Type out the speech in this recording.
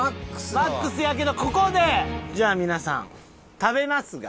マックスやけどここでじゃあ皆さん食べますが。